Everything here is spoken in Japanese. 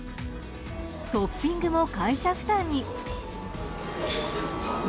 トッピングも会社負担に。